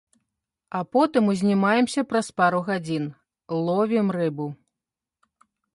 А потым узнімаемся праз пару гадзін, ловім рыбу.